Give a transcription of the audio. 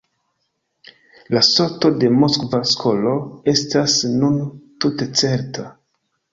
La sorto de Moskva skolo estas nun tute certa.